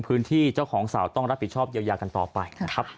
พื้นที่เจ้าของสาวต้องรับผิดชอบยาวกันต่อไป